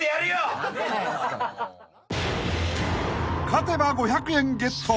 ［勝てば５００円ゲット］